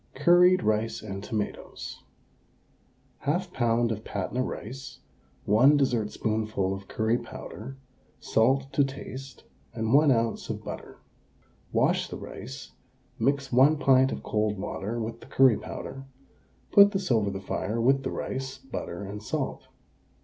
CURRIED RICE AND TOMATOES. 1/2 lb. of Patna rice, 1 dessertspoonful of curry powder, salt to taste, and 1 oz. of butter. Wash the rice; mix 1 pint of cold water with the curry powder, put this over the fire with the rice, butter, and salt.